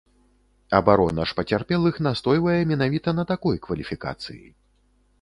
Абарона ж пацярпелых настойвае менавіта на такой кваліфікацыі.